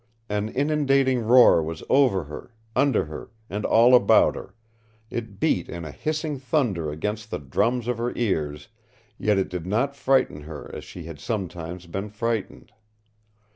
An inundating roar was over her, under her, and all about her; it beat in a hissing thunder against the drums of her ears, yet it did not frighten her as she had sometimes been frightened.